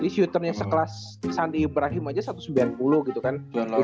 di switternnya sekelas sandi ibrahim aja satu ratus sembilan puluh gitu kan